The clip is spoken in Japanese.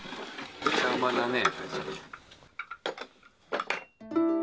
めちゃうまだね。